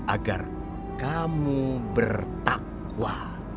agar kamu bertakwa